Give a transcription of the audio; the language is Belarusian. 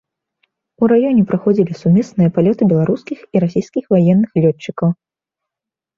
У раёне праходзілі сумесныя палёты беларускіх і расійскіх ваенных лётчыкаў.